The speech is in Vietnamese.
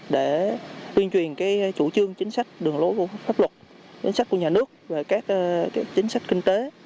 để tuyên truyền chủ trương chính sách đường lối của pháp luật chính sách của nhà nước về các chính sách kinh tế